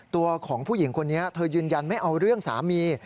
ตัวของผู้หญิงคนนี้เธอยืนยันไม่เอาเรื่องสามี